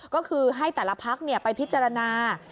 ก็คือให้แต่ละพักไปพิจารณา